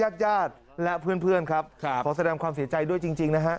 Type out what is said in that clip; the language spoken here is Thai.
ขอแสดงความเสียใจด้วยจริงนะฮะ